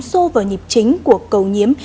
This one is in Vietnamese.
sô vào nhịp chính của cầu nhiếm